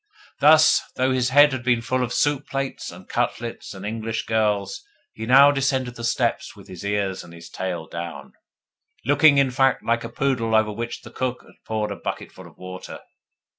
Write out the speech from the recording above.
Thus, though his head had been full of soup plates and cutlets and English girls, he now descended the steps with his ears and his tail down looking, in fact, like a poodle over which the cook has poured a bucketful of water.